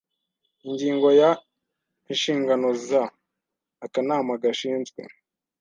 Ingingo ya Inshingano z akanama gashinzwe